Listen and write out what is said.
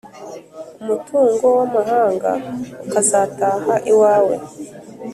umutungo w’amahanga ukazataha iwawe.